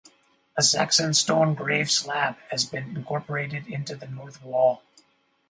A Saxon stone grave slab has been incorporated into the north wall.